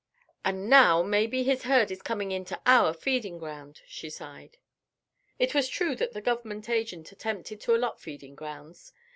"And now maybe his herd is coming into our feeding ground," she sighed. It was true that the Government Agent attempted to allot feeding grounds.